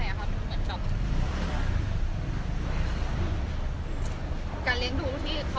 ไม่ใช่นี่คือบ้านของคนที่เคยดื่มอยู่หรือเปล่า